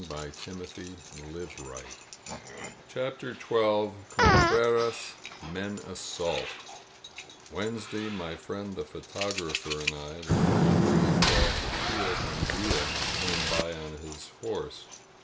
••• CONTRERAS' MEN ASSAULT CHAPTER XII CONTRERAS' MEN ASSAULT WEDNESDAY my friend the photographer and I were wandering across a field when Villa came by on his horse.